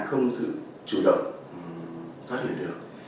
không thử chủ động thoát hiểm được